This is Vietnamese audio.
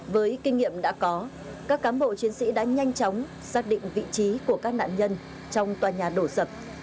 với kinh nghiệm đã có các cám bộ chiến sĩ đã nhanh chóng xác định vị trí của các nạn nhân trong tòa nhà đổ sập